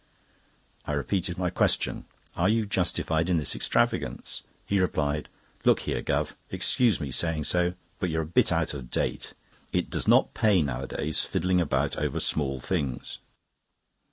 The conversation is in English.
I repeated my question: "Are you justified in this extravagance?" He replied: "Look here, Guv., excuse me saying so, but you're a bit out of date. It does not pay nowadays, fiddling about over small things.